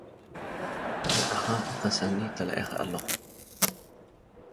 ንዓኻ ንኸሰኒ ተላኢኸ ኣለኹ።